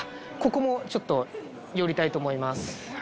ここもちょっと寄りたいと思います